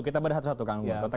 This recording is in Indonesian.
kita berhati hati kang gungun